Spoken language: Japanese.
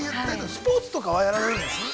スポーツとかはやられるんですか。